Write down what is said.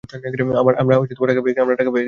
আমরা টাকা পেয়ে গেছি।